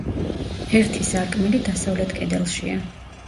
ერთი სარკმელი დასავლეთ კედელშია.